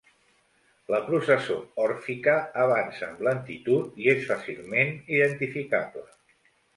La processó òrfica avança amb lentitud i és fàcilment identificable.